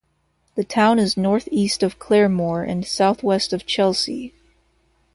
The town is northeast of Claremore and southwest of Chelsea.